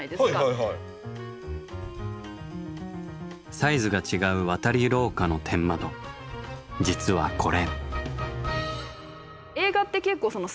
サイズが違う渡り廊下の天窓実はこれ。